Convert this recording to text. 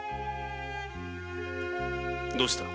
どうした？